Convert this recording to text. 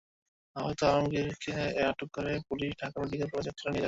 আহত আলমগীরকে আটক করে পুলিশ ঢাকা মেডিকেল কলেজ হাসপাতালে নিয়ে যায়।